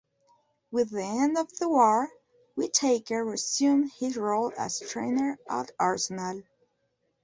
With the end of the war, Whittaker resumed his role as trainer at Arsenal.